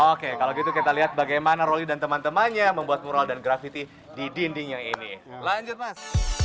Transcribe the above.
oke kalau gitu kita lihat bagaimana rolly dan teman temannya membuat mural dan grafiti di dinding yang ini lanjut mas